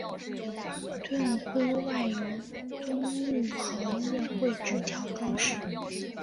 盾徽外由棕榈和月桂枝条装饰。